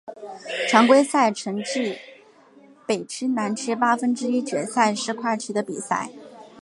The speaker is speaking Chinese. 常规赛成绩北区南区八分之一决赛是跨区的比赛。